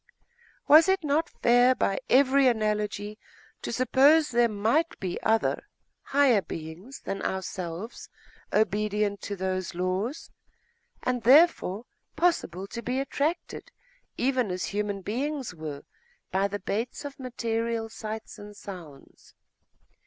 Was it not fair by every analogy to suppose that there might be other, higher beings than ourselves, obedient to those laws, and therefore possible to be attracted, even as human beings were, by the baits of material sights and sounds?....